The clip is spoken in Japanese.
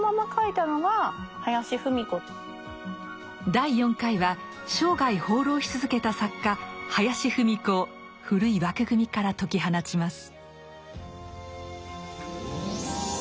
第４回は生涯放浪し続けた作家林芙美子を古い枠組みから解き放ちます。